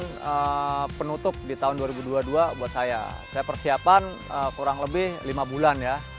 ini penutup di tahun dua ribu dua puluh dua buat saya saya persiapan kurang lebih lima bulan ya